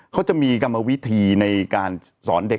เขาจะมีกรรมวิธีในการสอนเด็ก